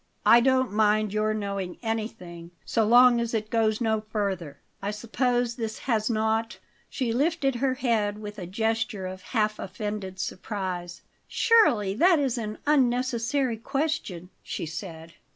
"I don't mind your knowing anything so long as it goes no further. I suppose this has not " She lifted her head with a gesture of half offended surprise. "Surely that is an unnecessary question!" she said.